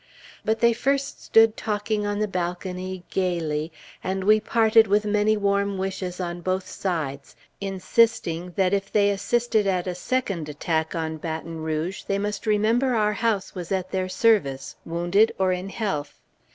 But they first stood talking on the balcony, gayly, and we parted with many warm wishes on both sides, insisting that, if they assisted at a second attack on Baton Rouge, they must remember our house was at their service, wounded or in health.